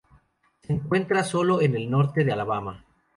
Se encuentra sólo en el norte de Alabama.